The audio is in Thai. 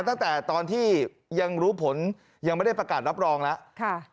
ตั้งแต่ตอนที่ยังรู้ผลยังไม่ได้ประกาศรับรองแล้ว